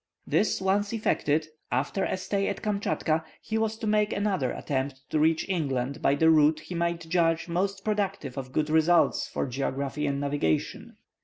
This once effected, after a stay at Kamschatka, he was to make another attempt to reach England by the route he might judge most productive of good results for geography and navigation.